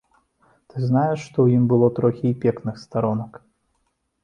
Ты знаеш, што ў ім было трохі і пекных старонак.